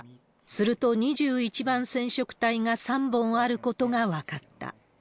すると２１番染色体が３本あることが分かった。